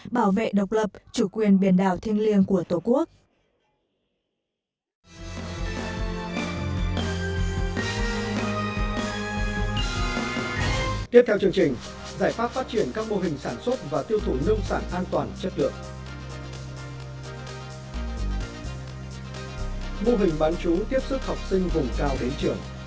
bảo vệ độc lập chủ quyền biển đảo thiên liêng của tổ quốc